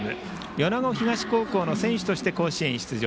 米子東高校の選手として甲子園出場。